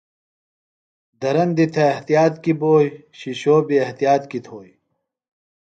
دھرندیۡ تھے احتیاط کیۡ بوئیۡ، شِشوۡ بیۡ احتیاط کیۡ تھوئیۡ